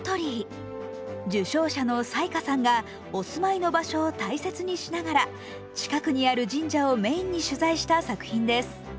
受賞者の雑賀さんがお住まいの場所を大切にしながら近くにある神社をメインに取材した作品です。